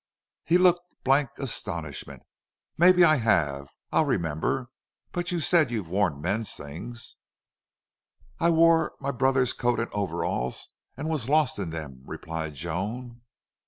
He looked blank astonishment. "Maybe I have.... I'll remember. But you said you'd worn a man's things." "I wore my brother's coat and overalls, and was lost in them," replied Joan.